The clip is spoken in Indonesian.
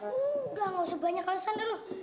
udah gak usah banyak alasan dulu